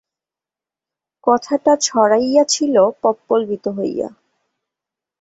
কথাটা ছড়াইয়াছিল পল্পবিত হইয়া।